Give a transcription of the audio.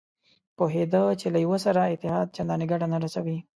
پوهېده چې له یوه سره اتحاد چندانې ګټه نه رسوي.